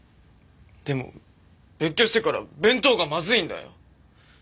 でも別居してから弁当がまずいんだよ。